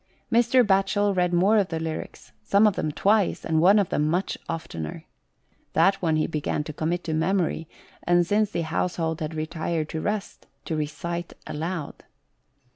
Mr. Batchel read more of the lyrics, some of them twice, and one of them much oftener. That one he began to commit to memory, and since the household had retired to rest, to recite aloud.